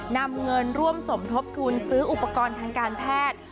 นำเงินร่วมสมทบทุนซื้ออุปกรณ์ทางการแพทย์